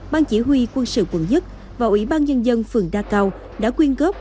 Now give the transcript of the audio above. ban chỉ huy quân sự quận một và ủy ban nhân dân phường đa cao đã quyên góp